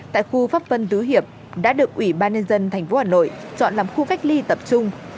tại khu pháp vân tứ hiệp đã được ủy ban nhân dân tp hà nội chọn làm khu cách ly tập trung